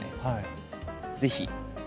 ぜひ。